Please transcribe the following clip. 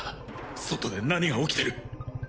外で何が起きてる？